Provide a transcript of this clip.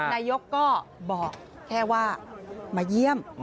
นายกก็บอกแค่ว่ามาเยี่ยม